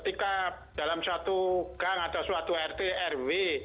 ketika dalam suatu gang atau suatu rt rw